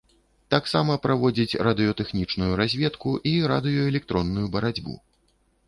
Таксама праводзіць радыётэхнічную разведку і радыёэлектронную барацьбу.